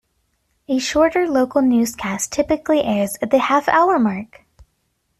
A shorter local newscast typically airs at the half-hour mark.